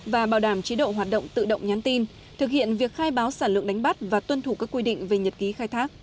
và bảo đảm chế độ hoạt động tự động nhắn tin thực hiện việc khai báo sản lượng đánh bắt và tuân thủ các quy định về nhật ký khai thác